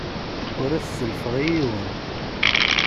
Ur as-sellfeɣ i yiwen.